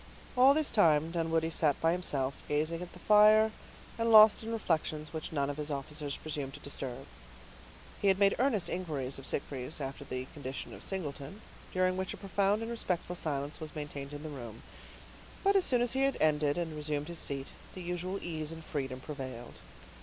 All this time Dunwoodie sat by himself, gazing at the fire, and lost in reflections which none of his officers presumed to disturb. He had made earnest inquiries of Sitgreaves after the condition of Singleton, during which a profound and respectful silence was maintained in the room; but as soon as he had ended, and resumed his seat, the usual ease and freedom prevailed.